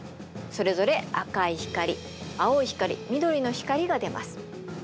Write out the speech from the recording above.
それぞれ赤い光青い光緑の光が出ます。